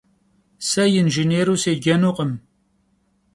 Se yinjjênêru sêcenukhım.